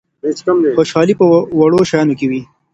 خوشحالي په وړو شیانو کي وي.